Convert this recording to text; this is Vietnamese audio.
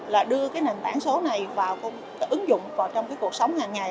là đưa cái nền tảng số này vào ứng dụng vào trong cái cuộc sống hàng ngày